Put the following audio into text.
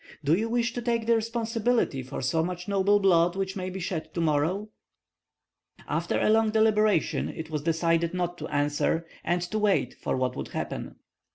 Do you wish to take the responsibility for so much noble blood which may be shed to morrow?" After a long deliberation it was decided not to answer, and to wait for what would happen.